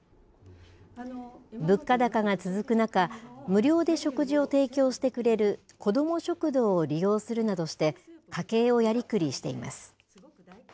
物価高が続く中、無料で食事を提供してくれる子ども食堂を利用するなどして、家計をやりくりしています。